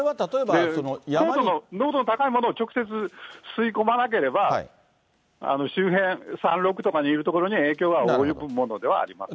濃度の高いものを直接吸い込まなければ、周辺、山麓とかいる所には影響は及ぶものではありません。